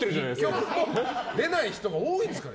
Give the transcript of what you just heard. １曲も出ない人が多いんですから。